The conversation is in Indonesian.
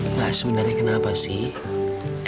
enggak sebenarnya kenapa sih